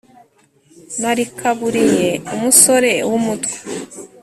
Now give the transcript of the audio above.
Narikaburiye umusore w'umutwa